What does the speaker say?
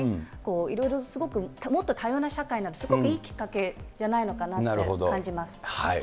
いろいろすごくもっと多様な社会になる、すごくいいきっかけじゃないのかなって感じます。